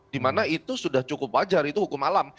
dimana itu sudah cukup wajar itu hukum alam